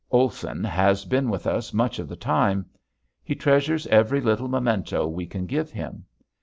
Olson has been with us much of the time. He treasures every little memento we can give him.